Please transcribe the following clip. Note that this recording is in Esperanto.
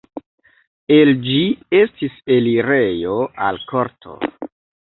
El ĝi estis elirejo al korto.